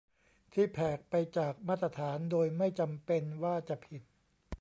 ที่แผกไปจากมาตรฐาน โดยไม่จำเป็นว่าจะผิด